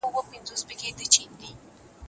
اسټروېډونه د لمریز نظام جوړښت ښيي.